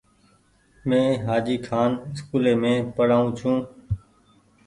مين هآجي کآن اسڪولي مين پڙآئو ڇون۔